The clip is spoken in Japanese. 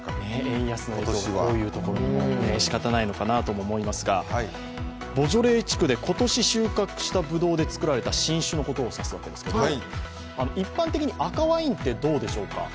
円安の影響はこういうところにも、しかたないのかなと思いますがボジョレー地区で今年収穫したぶどうで作られた新種のことを指すわけですけど一般的に赤ワインってどうでしょうか。